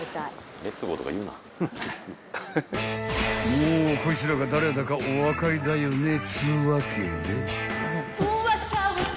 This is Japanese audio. ［もうこいつらが誰だかお分かりだよねっつうわけで］